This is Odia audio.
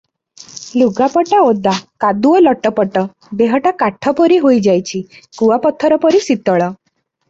ଲୁଗାପଟା ଓଦା, କାଦୁଅ ଲଟପଟ, ଦେହଟା କାଠ ପରି ହୋଇଯାଇଛି, କୁଆପଥର ପରି ଶୀତଳ ।